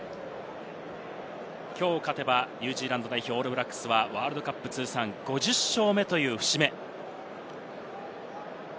きょう勝てば、ニュージーランド代表オールブラックスはワールドカップ通算５０勝目という節目。